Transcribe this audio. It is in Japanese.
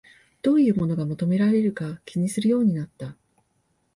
どういうものが求められるか気にするようになった